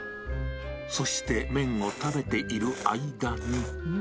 そして麺を食べている間に。